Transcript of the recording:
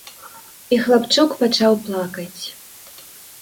І хлапчук пачаў плакаць.